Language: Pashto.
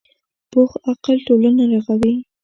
پوخ عقل ټولنه رغوي